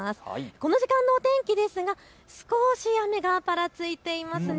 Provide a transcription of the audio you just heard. この時間のお天気ですが少し雨がぱらついています。